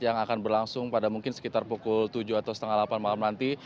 yang akan berlangsung pada mungkin sekitar pukul tujuh atau setengah delapan malam nanti